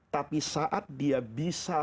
tapi saat dia bisa